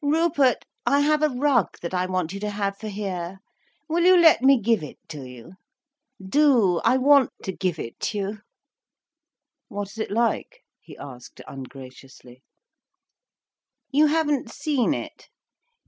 "Rupert, I have a rug that I want you to have for here. Will you let me give it to you? Do—I want to give it you." "What is it like?" he asked ungraciously. "You haven't seen it.